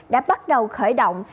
đã bắt đầu khởi động